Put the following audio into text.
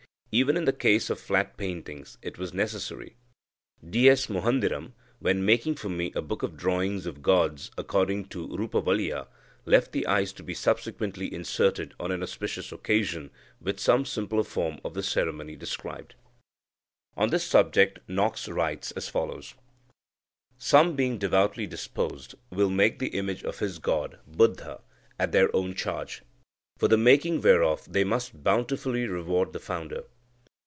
Even in the case of flat paintings it was necessary. D. S. Muhandiram, when making for me a book of drawings of gods according to the Rupavaliya, left the eyes to be subsequently inserted on an auspicious occasion, with some simpler form of the ceremony described." On this subject, Knox writes as follows : "Some, being devoutly disposed, will make the image of this god (Buddha) at their own charge. For the making whereof they must bountifully reward the Founder.